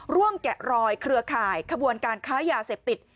แกะรอยเครือข่ายขบวนการค้ายาเสพติด